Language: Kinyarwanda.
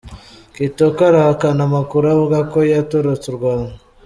Kitoko arahakana amakuru avuga ko yatorotse u Rwanda.